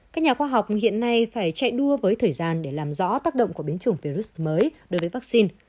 các nhà khoa học hiện nay phải chạy đua với thời gian để làm rõ tác động của biến chủng virus mới đối với vaccine